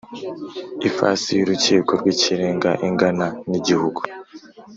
Ifasi y Urukiko rw Ikirenga ingana n igihugu